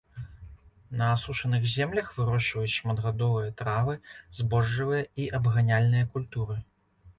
На асушаных землях вырошчваюць шматгадовыя травы, збожжавыя і абганяльныя культуры.